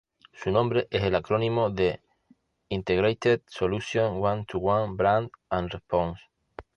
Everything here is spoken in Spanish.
Su nombre es el acrónimo de "Integrated Solutions One to One Brand And Response".